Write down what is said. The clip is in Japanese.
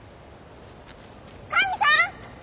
神さん！